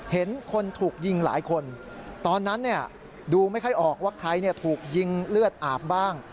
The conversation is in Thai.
เห็นคนถูกยิงหลายคนตอนนั้นดูไม่ค่อยออกว่าใครถูกยิงเลือดอาบบ้าง